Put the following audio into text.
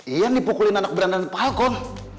ian dipukulin anak berandal falcon